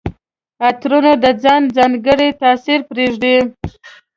عطرونه د ځان ځانګړی تاثر پرېږدي.